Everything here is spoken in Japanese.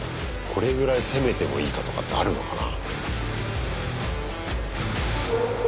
これぐらい攻めてもいいかとかってあるのかな？